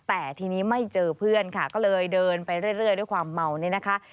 แต่ทีนี้ไม่เจอเพื่อนค่ะก็เลยเดินไปเรื่อยด้วยความเมาเนี่ยนะคะ